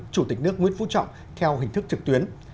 chủ tịch nước nguyễn phú trọng theo hình thức trực tuyến